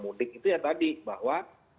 mudik itu ya tadi bahwa